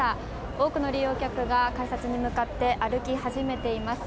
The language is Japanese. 多くの利用客が改札に向かって歩き始めています。